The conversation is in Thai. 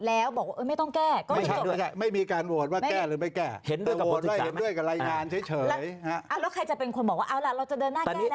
แล้วใครจะเป็นคนบอกว่าเอาล่ะเราจะเดินหน้าแก้